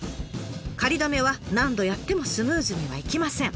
仮止めは何度やってもスムーズにはいきません。